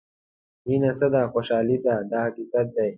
مینه څه ده خوشالۍ ده دا حقیقت دی.